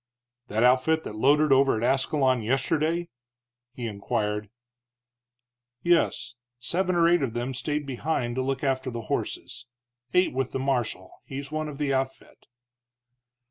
"That outfit that loaded over at Ascalon yesterday?" he inquired. "Yes; seven or eight of them stayed behind to look after the horses eight with the marshal, he's one of the outfit."